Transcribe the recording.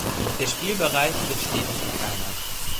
Der Spielbereich wird stetig verkleinert.